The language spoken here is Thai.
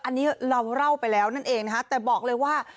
อันนี้เราเล่าไปแล้วนั่นเองนะคะแต่บอกเลยว่า